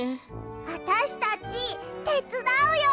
あたしたちてつだうよ！